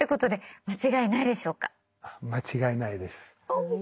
間違いないです。